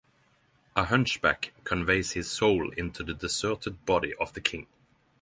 A hunchback conveys his soul into the deserted body of the king.